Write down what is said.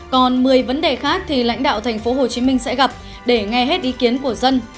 còn một mươi vấn đề khác thì lãnh đạo tp hcm sẽ gặp để nghe hết ý kiến của dân